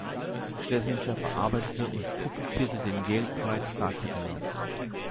Schlesinger bearbeitete und publizierte den "Yale Bright Star Catalogue".